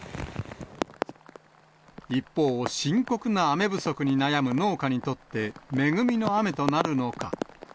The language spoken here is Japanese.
一方、深刻な雨不足に悩む農家にとって、恵みの雨となるのか。